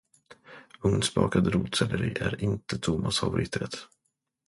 Ugnsbakad rotselleri är inte Tomas favoriträtt.